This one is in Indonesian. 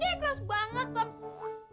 susah kan saya yang dipijet